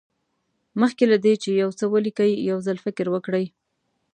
مخکې له دې چې یو څه ولیکئ یو ځل فکر وکړئ.